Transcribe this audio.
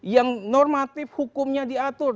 yang normatif hukumnya diatur